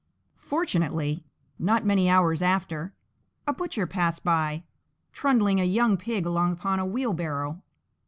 Fortunately, not many hours after, a Butcher passed by, trundling a young pig along upon a wheelbarrow.